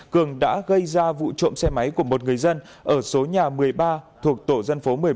cường đã gây ra vụ trộm xe máy của một người dân ở số nhà một mươi ba thuộc tổ dân phố một mươi một